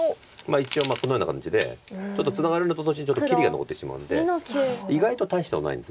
一応このような感じでちょっとツナがるのと同時に切りが残ってしまうんで意外と大したことないんです。